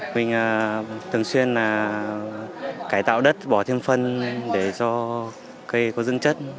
mình thường xuyên là cải tạo đất bỏ thêm phân để cho cây có dưỡng chất